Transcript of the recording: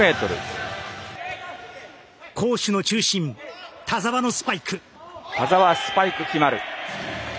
攻守の中心田澤のスパイク。